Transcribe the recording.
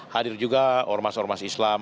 hadir juga ormas ormas islam